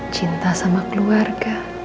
cinta sama keluarga